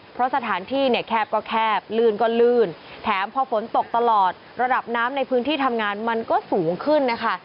เพราะสถานที่เนี่ยแคบก็แคบลื่นก็ลื่นแถมพอฝนตกตลอดระดับน้ำในพื้นที่ทำงานมันก็สูงขึ้นนะคะ